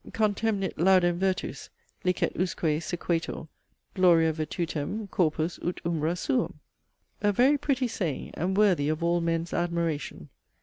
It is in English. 'Contemnit laudem virtus, licet usque sequatur Gloria virtutem, corpus ut umbra suum.' A very pretty saying, and worthy of all men's admiration.